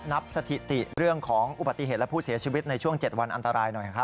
สถิติเรื่องของอุบัติเหตุและผู้เสียชีวิตในช่วง๗วันอันตรายหน่อยครับ